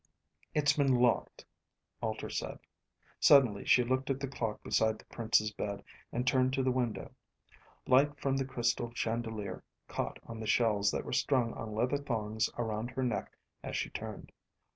"It's been locked," Alter said. Suddenly she looked at the clock beside the Prince's bed, and turned to the window. Light from the crystal chandelier caught on the shells that were strung on leather thongs around her neck as she turned.